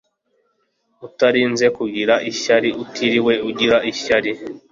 Utarinze kugira ishyari atiriwe agira ishyari